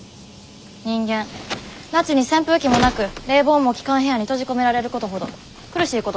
人間夏に扇風機もなく冷房も効かん部屋に閉じ込められることほど苦しいことってないでしょ。